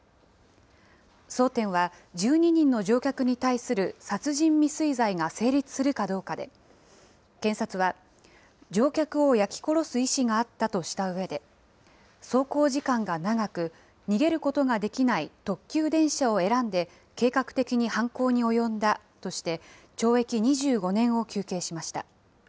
争点は、１２人の乗客に対する殺人未遂罪が成立するかどうかで、検察は、乗客を焼き殺す意思があったとしたうえで、走行時間が長く、逃げることができない特急電車を選んで、計画的に犯行に及んだとして、懲役２５年を求刑しました。